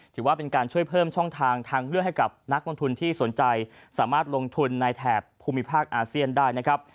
ถือว่าเป็นการช่วยเพิ่มช่องทางทางเลือกให้กับนักลงทุนที่สนใจสามารถลงทุนในแถบภูมิภาคอาเซียนได้นะครับ